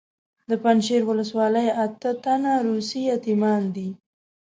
د پنجشیر ولسوالۍ اته تنه روسي یتیمان دي.